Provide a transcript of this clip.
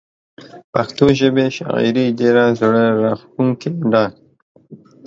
پښتو ژبې شاعري ډيره زړه راښکونکي ده